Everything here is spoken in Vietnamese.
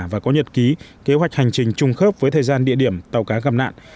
và có nhật ký kế hoạch hành trình chung khớp với thời gian địa điểm tàu cá gặp nạn